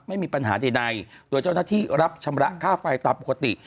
ไม่มีปัญหาใดโดยเจ้าหน้าที่รับชำระค่าไฟตามปกติ